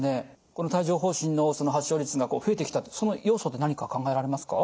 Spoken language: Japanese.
帯状ほう疹の発症率が増えてきたその要素って何か考えられますか？